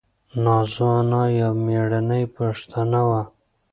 نازو انا یوه مېړنۍ پښتنه وه.